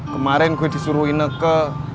kemarin gue disuruh ineke